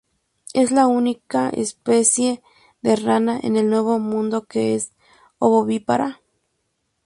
Es la única especie de rana en el Nuevo Mundo que es ovovivípara.